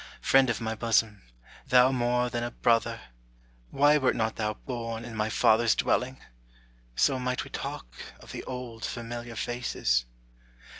Friend of my bosom, thou more than a brother, Why wert not thou born in my father's dwelling? So might we talk of the old familiar faces.